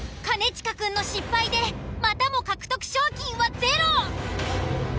兼近くんの失敗でまたも獲得賞金はゼロ！